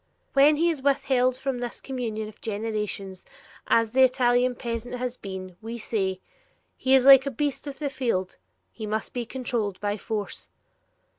When he is withheld from this Communion for generations, as the Italian peasant has been, we say, 'He is like a beast of the field; he must be controlled by force.'"